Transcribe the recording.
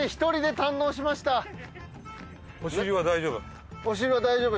お尻は大丈夫？